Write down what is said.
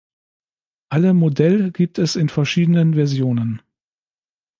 Alle Modell gibt es in verschiedenen Versionen.